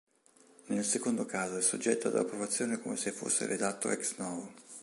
Nel secondo caso è soggetto ad approvazione come se fosse redatto ex novo.